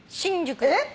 えっ！？